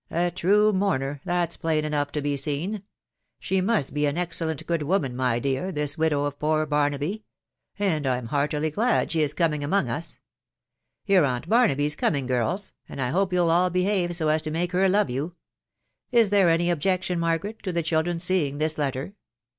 a true mourner, that's plain enough to be seen She must be an excellent good woman, my dear, this widow of poor Barnaby; and I'm heartily glad she is coming among us. Your aunt Barnaby's coming girls, and I hope you'll all behave so as to make her love you Is there any objection, Margaret, to the children's seeing this letter?"